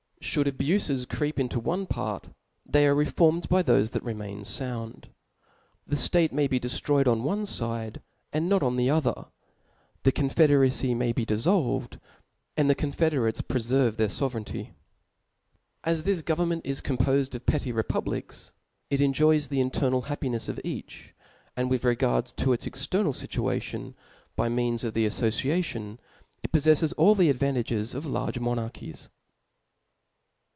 Should abufes creep into one part, they are re formed by thofe that remain found. The ftatc may be deftroyed on one fide, and not on the other ; the confederacy may be diflblved, and the confe derates preferve their fovereignty. As this government is compofed of petty repub lics, it enjoys the internal happinefs of each; and with regard to its external fituation, by means of the aflbciation, it poffeileth all the advantages of large monarchies.